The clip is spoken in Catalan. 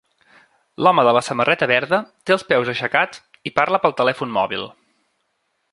L'home de la samarreta verda té els peus aixecats i parla pel telèfon mòbil.